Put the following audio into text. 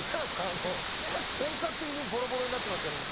あの本格的にボロボロになってますけども。